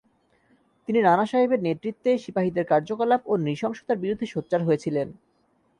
তিনি নানাসাহেবের নেতৃত্বে, সিপাহীদের কার্যকলাপ ও নৃশংসতার বিরুদ্ধে সোচ্চার হয়েছিলেন।